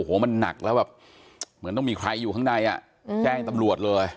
โอ้โหมันหนักแล้วแบบเหมือนต้องมีใครอยู่ข้างในอ่ะแจ้งตำรวจเลย